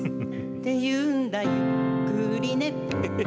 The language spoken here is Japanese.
「ってゆうんだゆっくりね」